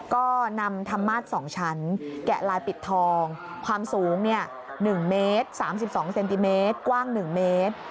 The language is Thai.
ก็นำธรรมาส๒ชั้นแกะลายปิดทองความสูง๑เมตร๓๒เซนติเมตรกว้าง๑เมตร